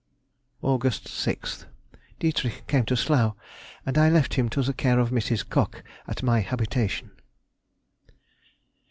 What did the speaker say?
Aug. 6th.—Dietrich came to Slough, and I left him to the care of Mrs. Cock, at my habitation.